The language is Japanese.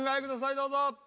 どうぞ。